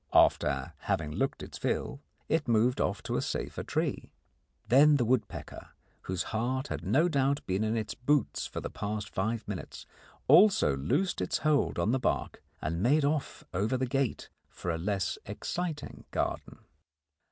After having looked its fill, it moved off to a safer tree. Then the woodpecker, whose heart had no doubt been in its boots for the past five minutes, also loosed its hold on the bark and made off over the gate for a less exciting garden.